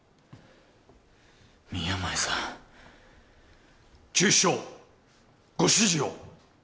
宮前さん厨司長ご指示を！